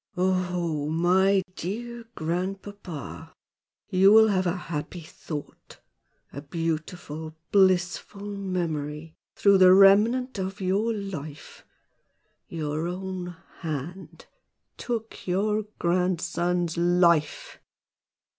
"Oho! my dear grandpapa! You will have a happy thought a beautiful, blissful memory through the remnant of your life. Your own hand took your grandson's life!"